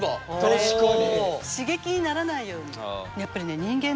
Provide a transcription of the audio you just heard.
確かに！